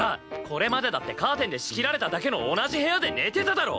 これまでだってカーテンで仕切られただけの同じ部屋で寝てただろ！